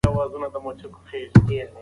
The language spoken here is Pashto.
ژبه د ټولنیز تعامل برخه ده.